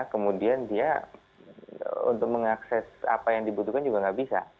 kemudian dia untuk mengakses apa yang dibutuhkan juga nggak bisa